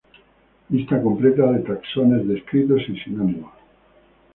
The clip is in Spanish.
Lista completa de taxones descritos y sinónimos.